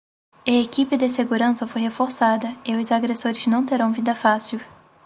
E equipe de segurança foi reforçada e os agressores não terão vida fácil